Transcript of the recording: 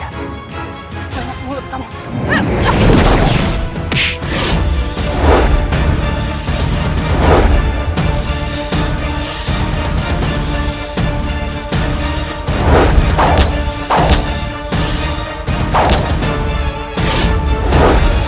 jangan mulut kamu